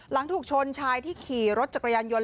รัฐูชนชายที่ขี่รถจักรยานยนต์